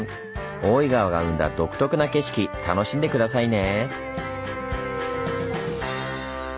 大井川が生んだ独特な景色楽しんで下さいね。